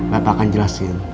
bapak akan jelasin